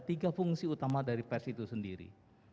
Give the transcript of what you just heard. tiga fungsi utama dari pers itu sendiri